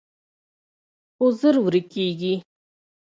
خو ژر ورکېږي